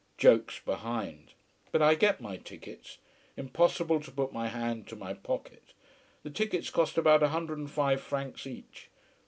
Jokes behind. But I get my tickets. Impossible to put my hand to my pocket. The tickets cost about a hundred and five francs each.